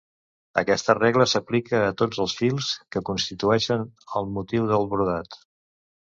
Aquesta regla s'aplica a tots els fils que constitueixen el motiu del brodat.